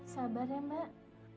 sabar ya mbak